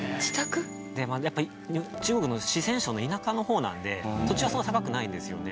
やっぱ中国の四川省の田舎の方なので土地はそんなに高くないんですよね。